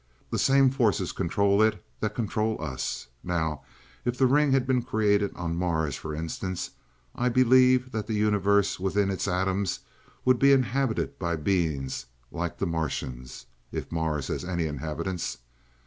The same forces control it that control us. Now, if the ring had been created on Mars, for instance, I believe that the universes within its atoms would be inhabited by beings like the Martians if Mars has any inhabitants.